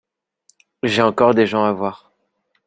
J'ai encore des gens à voir.